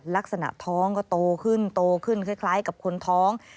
ลักษณะท้องก็โตขึ้นโตขึ้นคล้ายกับคนท้อง